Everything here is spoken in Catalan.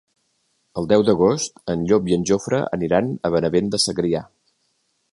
El deu d'agost en Llop i en Jofre aniran a Benavent de Segrià.